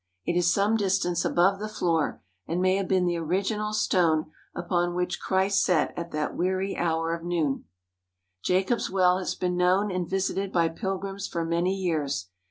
It is some distance above the floor and may have been the original stone upon which Christ sat at that weary hour of noon. Jacob's Well has been known and visited by pilgrims for many years.